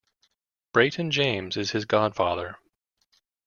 Bryton James is his godfather.